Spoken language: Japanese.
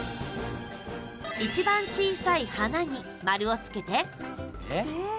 一番、小さいはなに丸をつけて。